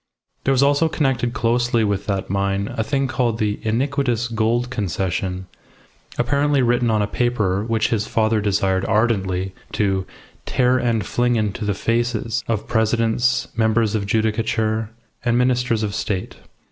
There was also connected closely with that mine a thing called the "iniquitous Gould Concession," apparently written on a paper which his father desired ardently to "tear and fling into the faces" of presidents, members of judicature, and ministers of State.